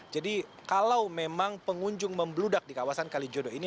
jadi kalau memang pengunjung membeludak di kawasan kalijodo ini